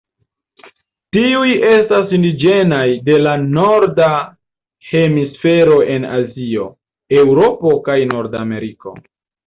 Tiuj estas indiĝenaj de la Norda Hemisfero en Azio, Eŭropo kaj Nordameriko.